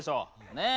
ねえ